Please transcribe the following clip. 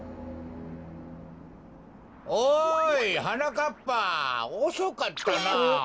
おいはなかっぱおそかったなあ。